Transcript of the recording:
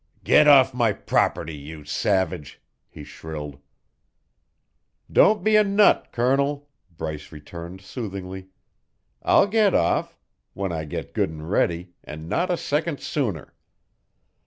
"Get off my property, you savage," he shrilled. "Don't be a nut, Colonel," Bryce returned soothingly. "I'll get off when I get good and ready, and not a second sooner.